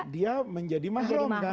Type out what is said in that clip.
dia menjadi mahrum